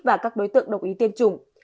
và các đối tượng đồng ý tiêm chủng